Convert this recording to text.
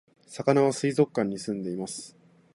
さかなは水族館に住んでいます